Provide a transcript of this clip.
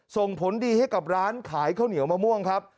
ส่งผลดีให้กับร้านขายข้าวเหนียวมะม่วงครับ